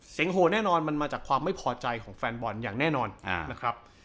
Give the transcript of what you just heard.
โหแน่นอนมันมาจากความไม่พอใจของแฟนบอลอย่างแน่นอนนะครับ